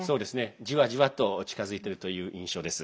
じわじわと近づいているという印象です。